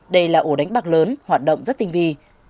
đây là ổ đánh bạc lớn hoạt động rất tinh vi